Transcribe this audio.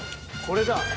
これだ。